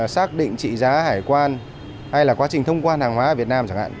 xác định trị giá hải quan hay là quá trình thông quan hàng hóa ở việt nam chẳng hạn